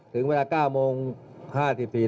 ถึงเวลา๙โมง๕๔นาที